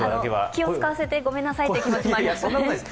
気を使わせてごめんなさいという気持ちもあります。